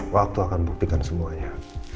waktu akan buktikan semuanya